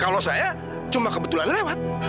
kalau saya cuma kebetulan lewat